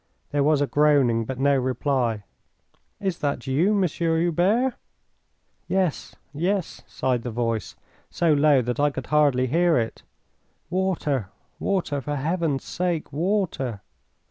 There was a groaning, but no reply. "Is that you, Monsieur Hubert?" "Yes, yes," sighed the voice, so low that I could hardly hear it. "Water, water, for Heaven's sake, water!"